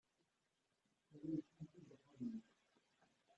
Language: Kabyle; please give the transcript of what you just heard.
Sami yessizdig axxam-nni.